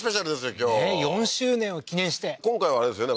今日ねえ４周年を記念して今回はあれですよね